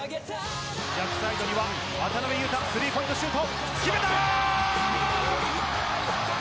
逆サイドには渡邊雄太、スリーポイントシュート、決めたー！